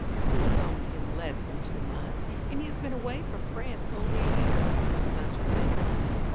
"You have owned him less than two months, and he has been away from France only a year, you must remember.